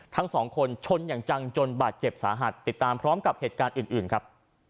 ทั้งสองคนชนอย่างจังจนบาดเจ็บสาหัสติดตามพร้อมกับเหตุการณ์อื่นครับ